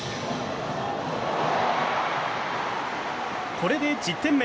これで１０点目。